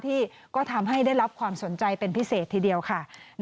ที่ก็ทำให้ได้รับความสนใจเป็นพิเศษทีเดียวค่ะ